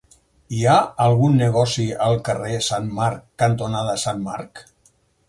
Hi ha algun negoci al carrer Sant Marc cantonada Sant Marc?